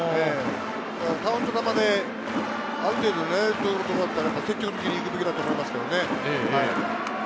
カウント球で、ある程度、狙えるところは積極的にいくべきだと思いますけどね。